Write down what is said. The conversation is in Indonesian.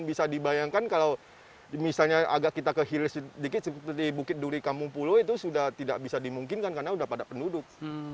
bisa dibayangkan kalau misalnya agak kita ke hilir sedikit seperti di bukit duri kampung pulo itu sudah tidak bisa dimungkinkan karena sudah pada penduduk